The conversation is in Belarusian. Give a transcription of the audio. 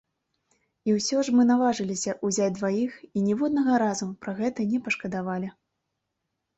І ўсё ж мы наважыліся ўзяць дваіх і ніводнага разу пра гэта не пашкадавалі.